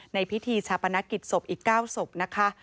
ในพิธีชาปนกิจศพอีก๙ศพนะคะ